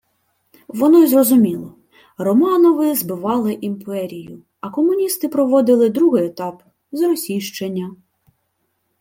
Воно й зрозуміло: Романови «збивали» імперію, а комуністи проводили другий етап – зросійщення